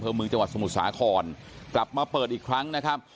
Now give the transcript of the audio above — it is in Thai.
เมืองจังหวัดสมุทรสาครกลับมาเปิดอีกครั้งนะครับ